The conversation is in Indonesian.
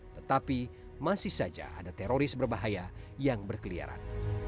tetapi masih saja ada teroris berbahaya yang berkeliaran